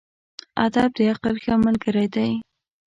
ادب د عقل ښه ملګری دی.